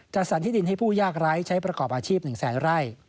จัดสรรที่ดินให้ผู้ยากไร้ใช้ประกอบอาชีพ๑แสนไร่